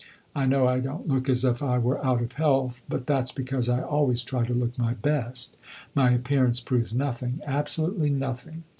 I know I don't look as if I were out of health; but that 's because I always try to look my best. My appearance proves nothing absolutely nothing.